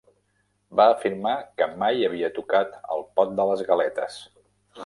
Va afirmar que mai havia tocat el pot de les galetes.